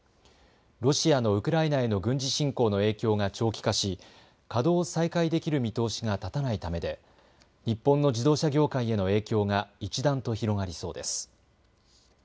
ロシアのウクライナへの軍事侵攻の影響が長期化し稼働を再開できる見通しが立たないためで日本の自動車業界への影響が一段と広がりそうです。